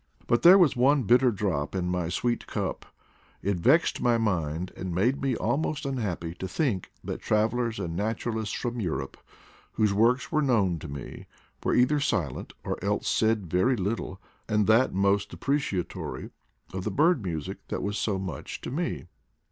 But there was one bitter drop in my sweet cup. v . It vexed my mind and made me almost unhappy to think that travelers and naturalists from Europe, whose works were known to me, were either silent or else said very little (and that mostly depreciatory) of the bird music that was so much to me.